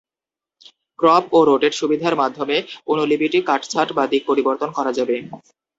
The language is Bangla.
ক্রপ ও রোটেট সুবিধার মাধ্যমে অনুলিপিটি কাটছাঁট বা দিক পরিবর্তন করা যাবে।